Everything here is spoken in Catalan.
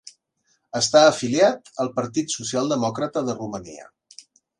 Està afiliat al Partit Socialdemòcrata de Romania.